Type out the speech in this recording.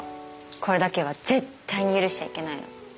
これだけは絶対に許しちゃいけないの。